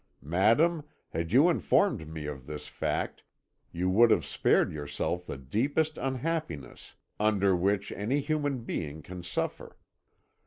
Madam, had you informed me of this fact you would have spared yourself the deepest unhappiness under which any human being can suffer.